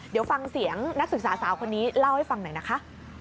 เดี๋ยวฟังเสียงนักศึกษาสาวคนนี้เล่าให้ฟังหน่อยนะคะ